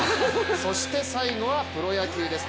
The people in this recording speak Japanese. そして最後はプロ野球です。